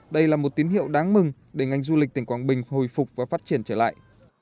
đây là một tín hiệu đáng mừng để ngành du lịch tỉnh quảng bình hồi phục và phát triển trở lại